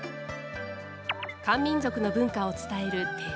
漢民族の文化を伝える寺。